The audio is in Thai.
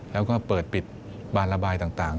แล้วก็เปิดปิดบานระบายต่าง